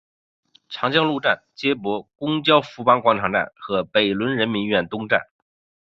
长江路站接驳公交富邦广场站和北仑人民医院东站。